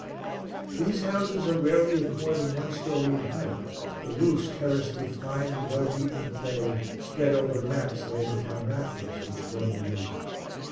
These houses are very rarely of more than one story in height, the roofs terraced with fine and well beaten clay spread over mats laid upon rafters, which form the roof.